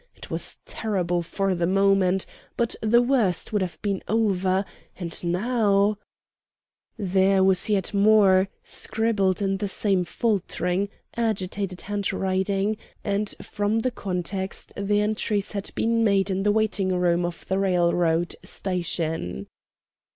It was terrible for the moment, but the worst would have been over, and now " There was yet more, scribbled in the same faltering, agitated handwriting, and from the context the entries had been made in the waiting room of the railroad station.